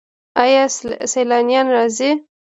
آیا سیلانیان راځي؟